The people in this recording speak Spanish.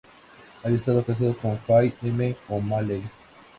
Había estado casado con Fay M. O'Malley.